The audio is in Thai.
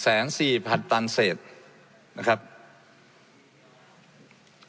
และมีผลกระทบไปทุกสาขาอาชีพชาติ